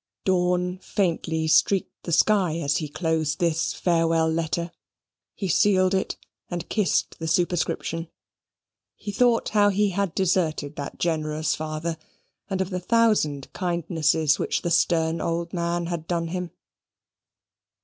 Dawn faintly streaked the sky as he closed this farewell letter. He sealed it, and kissed the superscription. He thought how he had deserted that generous father, and of the thousand kindnesses which the stern old man had done him.